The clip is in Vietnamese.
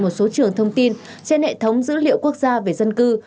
một số trường thông tin trên hệ thống dữ liệu quốc gia về dân cư